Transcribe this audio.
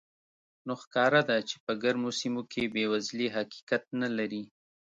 نو ښکاره ده چې په ګرمو سیمو کې بېوزلي حقیقت نه لري.